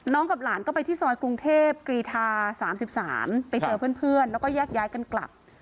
กับหลานก็ไปที่ซอยกรุงเทพกรีธา๓๓ไปเจอเพื่อนแล้วก็แยกย้ายกันกลับ